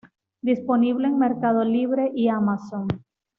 Disponible en Mercado Libre y Amazon.